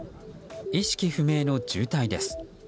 意識不明の重体です。